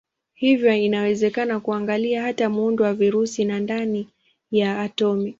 Hivyo inawezekana kuangalia hata muundo wa virusi na ndani ya atomi.